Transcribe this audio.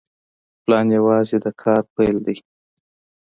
پلان یوازې د کار پیل دی